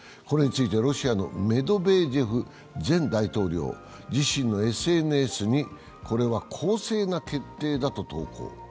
これについて、ロシアのメドベージェフ前大統領、自身のＳＮＳにこれは公正な決定だと投稿。